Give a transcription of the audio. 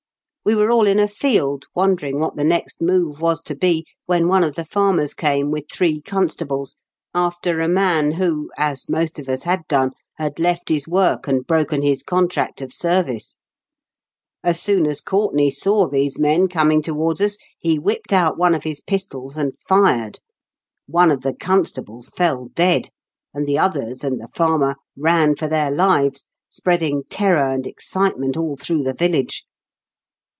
We were all in a field, wondering what the next move was to be, when one of the farmers came, with three constables, after a man who, as most of us had done, had left his work and broken his contract of service. As soon as Courtenay saw these men coming towards us, he whipped out one of his pistols and fired. One of the constables fell dead, and the others, and the farmer, ran for their lives, spreading terror and excitement all through the village.